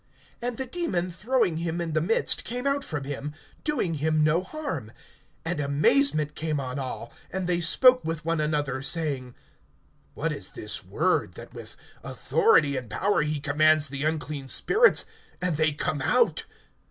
And the demon throwing him in the midst came out from him, doing him no harm. (36)And amazement came on all; and they spoke with one another, saying: What is this word, that with authority and power he commands the unclean spirits, and they come out?